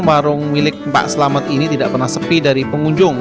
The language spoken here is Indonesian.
warung milik pak selamat ini tidak pernah sepi dari pengunjung